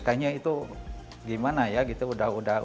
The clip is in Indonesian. kayaknya itu gimana ya gitu udah tekadnya